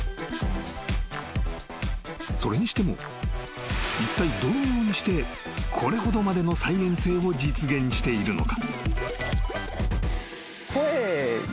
［それにしてもいったいどのようにしてこれほどまでの再現性を実現しているのか？］